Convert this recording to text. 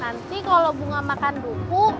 nanti kalau bunga makan dukung